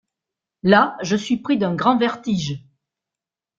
Là, je suis pris d’un grand vertige.